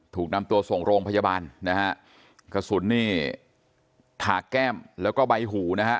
ถูกนำตัวส่งโรงพยาบาลนะฮะกระสุนนี่ถากแก้มแล้วก็ใบหูนะฮะ